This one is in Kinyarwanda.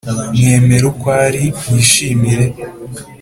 mwemere uko ari, wishimire